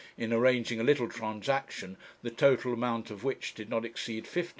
in arranging a little transaction, the total amount of which did not exceed £15.